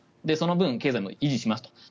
その分、経済も維持しますと。